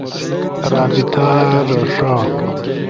رابطہ رݜا